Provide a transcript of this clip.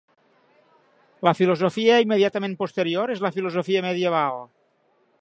La filosofia immediatament posterior és la filosofia medieval.